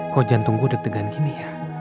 kok jantung gue deg degan gini ya